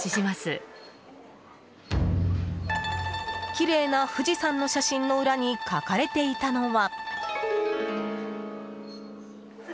きれいな富士山の写真の裏に書かれていたのは。